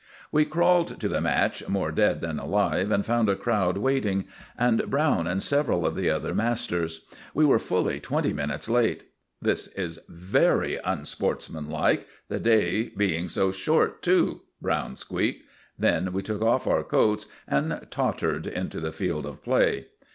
We crawled to the match more dead than alive and found a crowd waiting, and Browne and several of the other masters. We were fully twenty minutes late. "This is very unsportsmanlike, the days being so short too!" Browne squeaked. Then we took off our coats and tottered into the field of play.